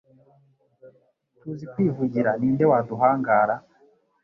tuzi kwivugira ni nde waduhangara?